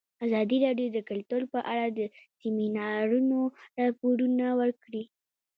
ازادي راډیو د کلتور په اړه د سیمینارونو راپورونه ورکړي.